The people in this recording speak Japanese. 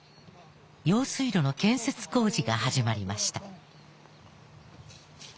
用水路の建設工事が始まりました。